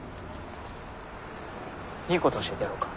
いいこと教えてやろうか？